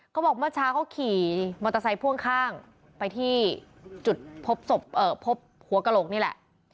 เมื่อเช้าเขาขี่มอเตอร์ไซค์พ่วงข้างไปที่จุดพบศพพบหัวกระโหลกนี่แหละ